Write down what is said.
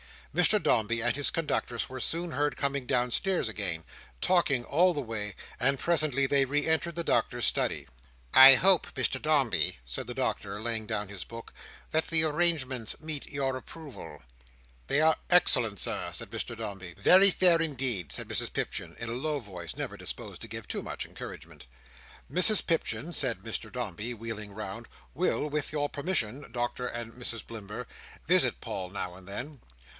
Mr Dombey and his conductress were soon heard coming downstairs again, talking all the way; and presently they re entered the Doctor's study. "I hope, Mr Dombey," said the Doctor, laying down his book, "that the arrangements meet your approval." "They are excellent, Sir," said Mr Dombey. "Very fair, indeed," said Mrs Pipchin, in a low voice; never disposed to give too much encouragement. "Mrs Pipchin," said Mr Dombey, wheeling round, "will, with your permission, Doctor and Mrs Blimber, visit Paul now and then."